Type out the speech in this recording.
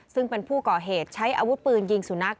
ซึ่งเป็นผู้ก่อเหตุใช้อาวุธปืนยิงสุนัข